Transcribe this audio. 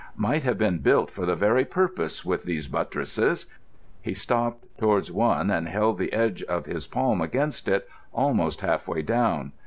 "Might have been built for the very purpose with these buttresses." He stopped towards one and held the edge of his palm against it, almost half way down.